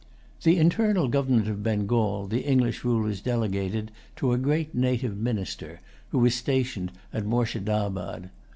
[Pg 129] The internal government of Bengal the English rulers delegated to a great native minister, who was stationed at Moorshedabad.